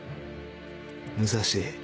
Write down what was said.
武蔵。